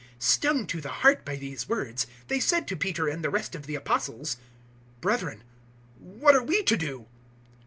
002:037 Stung to the heart by these words, they said to Peter and the rest of the Apostles, "Brethren, what are we to do?"